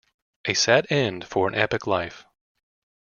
A sad end for an epic life.